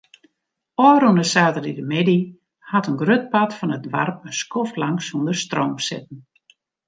Ofrûne saterdeitemiddei hat in grut part fan it doarp in skoftlang sonder stroom sitten.